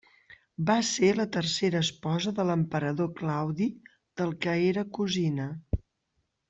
Va ser la tercera esposa de l'emperador Claudi del que era cosina.